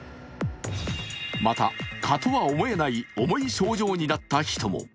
また蚊とは思えない重い症状になった人も。